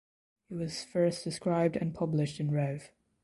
It was first described and published in Rev.